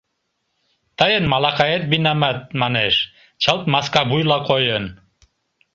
Тыйын малакает винамат, манеш, чылт маска вуйла койын.